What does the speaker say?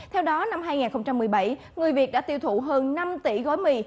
theo đó năm hai nghìn một mươi bảy người việt đã tiêu thụ hơn năm tỷ gói mì